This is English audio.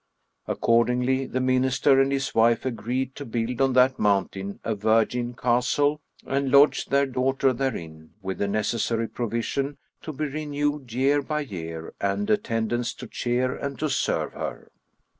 Accordingly the Minister and his wife agreed to build on that mountain a virgin castle and lodge their daughter therein with the necessary provision to be renewed year by year and attendants to cheer and to serve her.